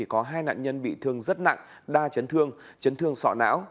có hai nạn nhân bị thương rất nặng đa chấn thương chấn thương sọ não